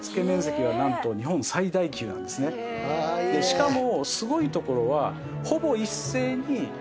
しかも。